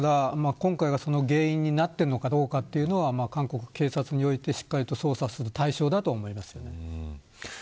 今回がその原因になっているかは韓国警察においてしっかり捜査する対象だと思います。